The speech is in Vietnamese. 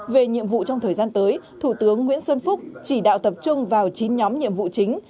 về nhiệm vụ trong thời gian tới thủ tướng nguyễn xuân phúc chỉ đạo tập trung vào chín nhóm nhiệm vụ chính